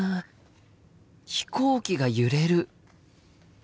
飛行機が揺れる。